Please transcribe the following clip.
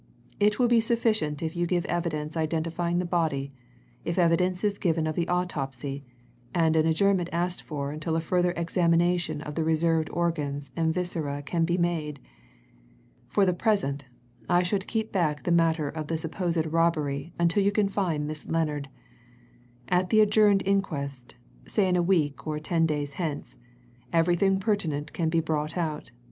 It will be sufficient if you give evidence identifying the body, if evidence is given of the autopsy, and an adjournment asked for until a further examination of the reserved organs and viscera can be made. For the present, I should keep back the matter of the supposed robbery until you can find this Miss Lennard. At the adjourned inquest say in a week or ten days hence everything pertinent can be brought out.